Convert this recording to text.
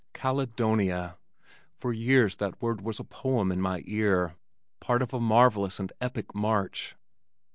Caledonia! For years that word was a poem in my ear, part of a marvellous and epic march.